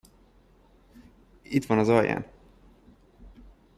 Itt van az alján.